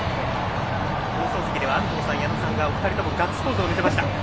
放送席では安藤さんと矢野さんがお二人ともガッツポーズを見せました。